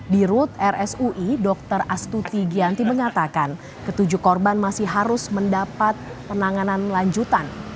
di rut rsui dr astuti gianti mengatakan ketujuh korban masih harus mendapat penanganan lanjutan